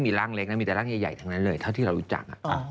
มีแต่ร่างใหญ่ทั้งนั้นเลยเท่าที่เรารู้จัก